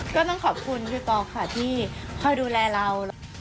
ก็ต้องขอบคุณพี่ตองค่ะที่คอยดูแลเรา